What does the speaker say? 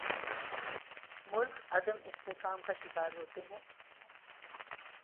ملک عدم استحکام کا شکار ہوتے ہیں۔